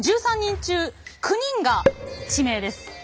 １３人中９人が地名です。